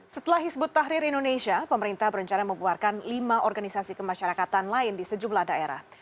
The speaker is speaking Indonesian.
setelah hizbut tahrir indonesia pemerintah berencana membuarkan lima organisasi kemasyarakatan lain di sejumlah daerah